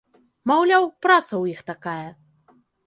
Маўляў, праца ў іх такая.